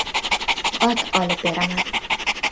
ot olib beraman".